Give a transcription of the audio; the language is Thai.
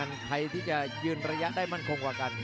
และที่สำคัญใครที่จะยืนระยะได้มั่นคงกว่ากัน